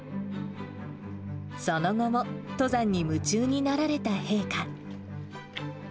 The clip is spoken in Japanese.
その後も、登山に夢中になられた陛下。